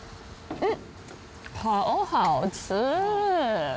うん。